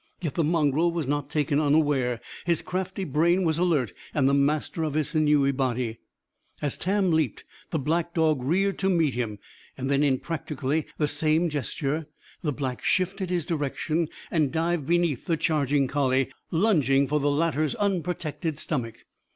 Yet the mongrel was not taken unaware. His crafty brain was alert and the master of his sinewy body. As Tam leaped, the black dog reared to meet him. Then, in practically the same gesture, the Black shifted his direction, and dived beneath the charging collie, lunging for the latter's unprotected stomach.